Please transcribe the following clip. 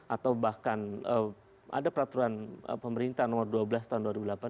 atau bahkan ada peraturan pemerintah nomor dua belas tahun dua ribu delapan belas